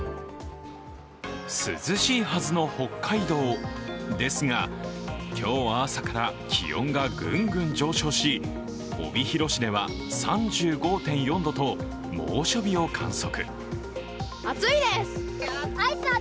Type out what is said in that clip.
涼しいはずの北海道ですが、今日は朝から気温がグングン上昇し帯広市では３５．４度と猛暑日を観測。